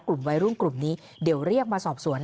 กลุ่มวัยรุ่นกลุ่มนี้เดี๋ยวเรียกมาสอบสวน